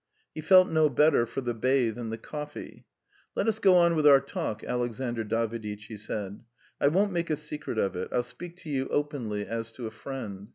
He felt no better for the bathe and the coffee. "Let us go on with our talk, Alexandr Daviditch," he said. "I won't make a secret of it; I'll speak to you openly as to a friend.